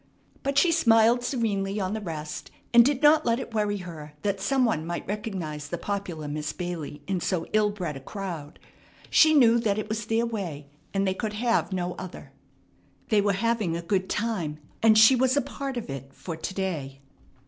But she smiled serenely on the rest, and did not let it worry her that some one might recognize the popular Miss Bailey in so ill bred a crowd. She knew that it was their way, and they could have no other. They were having a good time, and she was a part of it for to day.